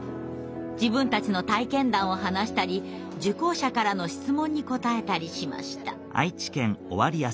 自分たちの体験談を話したり受講者からの質問に答えたりしました。